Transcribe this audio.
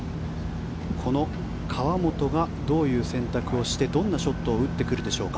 この河本がどういう選択をしてどんなショットを打ってくるでしょうか。